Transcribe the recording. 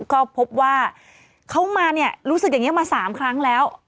ก็พบว่าเขามาเนี่ยรู้สึกอย่างนี้มา๓ครั้งแล้ว